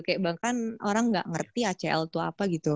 kayak bahkan orang gak ngerti acl tuh apa gitu